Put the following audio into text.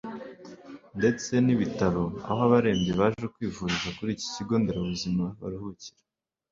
ndetse n’ibitaro aho abarembye baje kwivuriza kuri iki kigo nderabuzima baruhukira